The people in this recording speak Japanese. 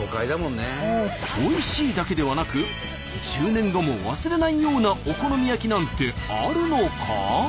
おいしいだけではなく１０年後も忘れないようなお好み焼きなんてあるのか？